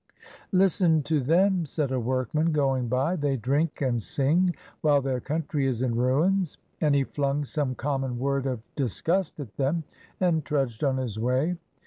"Listen to them," said a workman going by; they drink and sing while their country is in ruins." And he flung some common word of dis gust at them, and trudged on his way.